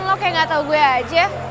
lo kayak gak tau gue aja